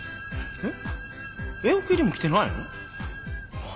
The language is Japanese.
えっ？